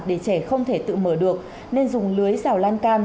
để trẻ không thể tự mở được nên dùng lưới rào lan can